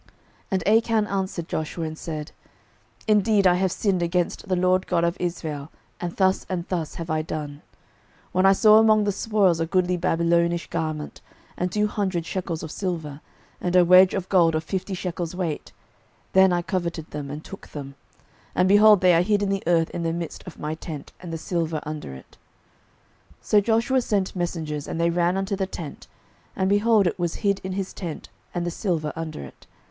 06:007:020 And Achan answered Joshua, and said, Indeed I have sinned against the LORD God of Israel, and thus and thus have I done: 06:007:021 When I saw among the spoils a goodly Babylonish garment, and two hundred shekels of silver, and a wedge of gold of fifty shekels weight, then I coveted them, and took them; and, behold, they are hid in the earth in the midst of my tent, and the silver under it. 06:007:022 So Joshua sent messengers, and they ran unto the tent; and, behold, it was hid in his tent, and the silver under it.